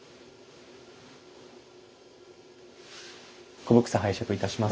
古帛紗拝借いたします。